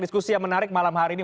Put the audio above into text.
diskusi yang menarik malam hari ini